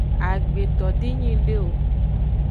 Agbeto de nyi ngde o.